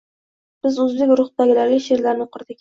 Biz o‘zbek guruhidagilarga she’rlarini o‘qirdik.